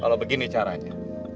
kalau begini caranya